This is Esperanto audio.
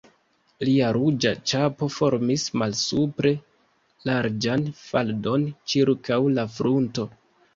Lia ruĝa ĉapo formis malsupre larĝan faldon ĉirkaŭ la frunto.